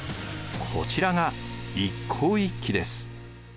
こちらが一向一揆です。